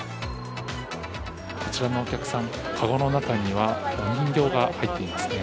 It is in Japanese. こちらのお客さんかごの中にはお人形が入っていますね。